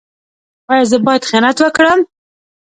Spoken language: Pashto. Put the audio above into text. ایا زه باید خیانت وکړم؟